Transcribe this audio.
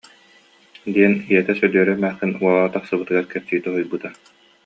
диэн ийэтэ Сөдүөрэ эмээхсин уола тахсыбытыгар кэпсии тоһуйбута